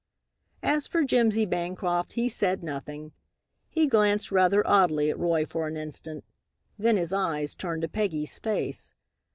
As for Jimsy Bancroft, he said nothing. He glanced rather oddly at Roy for an instant. Then his eyes turned to Peggy's face.